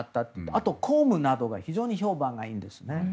あと、公務などが非常に評判がいいんです。